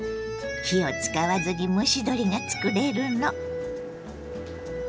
火を使わずに蒸し鶏が作れるの。